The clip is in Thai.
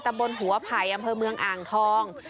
บนหัวไผ่อำเภอเมืองอ่างทอง